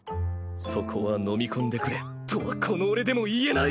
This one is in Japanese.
そこは飲み込んでくれとはこの俺でも言えない。